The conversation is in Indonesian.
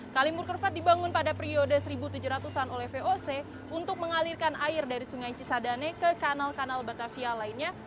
kalimur kerfat dibangun pada periode seribu tujuh ratus an oleh voc untuk mengalirkan air dari sungai cisadane ke kanal kanal batavia lainnya